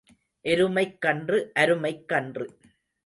எருமைக் கன்று அருமைக் கன்று.